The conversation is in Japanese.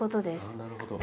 なるほど。